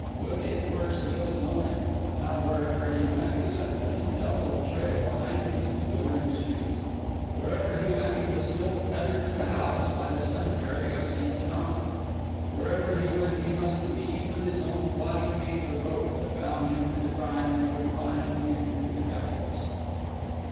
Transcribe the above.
Would it were still snowing! Now, wherever he went, he left an indelible trail behind him on the glittering streets; wherever he went he was still tethered to the house by the cemetery of St. John; wherever he went he must weave, with his own plodding feet, the rope that bound him to the crime and would bind him to the gallows.